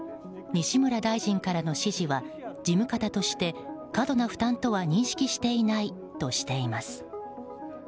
西村大臣からの指示は事務方として過度な負担とは認識していないとしています。